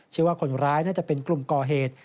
เชื่อว่าคนร้ายน่าจะเป็นกลุ่มก่อเหตุ